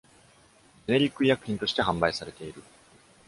ジェネリック医薬品として販売されている。